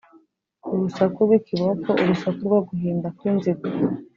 Urusaku rw’ikiboko urusaku rwo guhinda kw’inziga